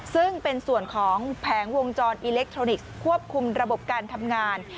ซึ่งเป็นส่วนของแผงวงจรอิเล็กทรอนิกส์ควบคุมระบบการทำงาน